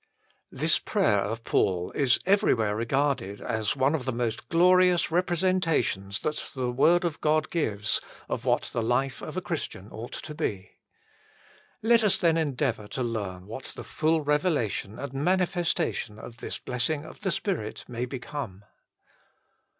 This prayer of Paul is everywhere regarded as one of the most glorious repre sentations that the Word of God gives of what the life of a Christian ought to be. Let us then endeavour to learn what the full revelation and manifestation of this blessing of the Spirit may become.